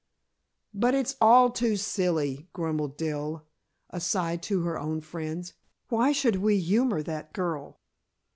"But it's all too silly," grumbled Dell aside to her own friends. "Why should we humor that girl?"